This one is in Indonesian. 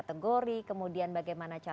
terima kasih pak